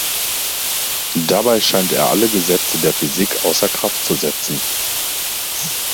Dabei scheint er alle Gesetze der Physik außer Kraft zu setzen.